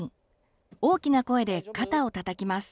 大きな声で肩をたたきます。